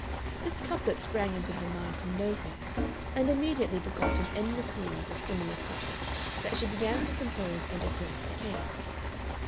This couplet sprang into her mind from nowhere, and immediately begot an endless series of similar couplets that she began to compose and address to Capes.